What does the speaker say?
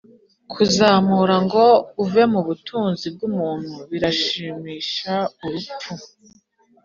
kuzamura ngo uve mu butunzi bwumuntu birashimisha urupfu